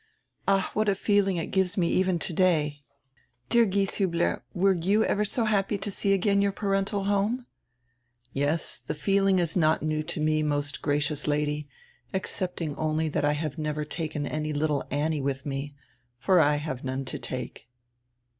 Ah, what a feeling it gives me even today! Dear Gieshiibler, were you ever so happy to see again your parental home?" "Yes, die feeling is not new to me, most gracious Lady, excepting only diat I have never taken any littie Annie widi me, for I have none to take."